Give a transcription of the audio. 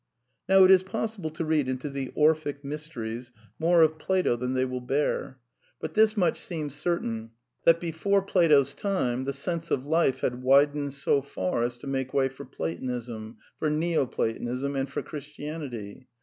Now it is possible to read into the Orphic Mysteries more of Plato than they will bear; but this much seems THE NEW MYSTICISM 245 certain, that before Plato's time the sense of life had widened so far as to make way for Platonism, for Neo |. Platonism, and for Christianity.